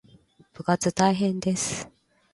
部活大変です